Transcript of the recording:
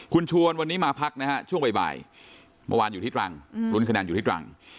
คุณชวนวันนี้มาพักน่ะะช่วงบ่ายบ่ายเมื่อวานอยู่ทิศรังอืม